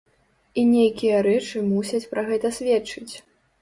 І нейкія рэчы мусяць пра гэта сведчыць.